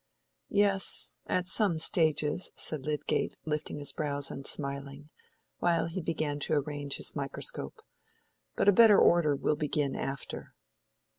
"Yes, at some stages," said Lydgate, lifting his brows and smiling, while he began to arrange his microscope. "But a better order will begin after."